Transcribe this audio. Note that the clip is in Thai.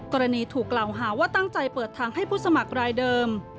กรณีถูกกล่าวหาว่าตั้งใจเปิดทางให้ผู้สมัครรายเดิม